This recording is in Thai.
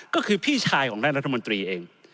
ก็คือพี่ชายของท่านรัฐมนตรีเอง